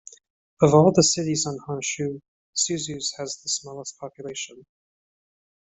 Of all the cities on Honshu, Suzu's has the smallest population.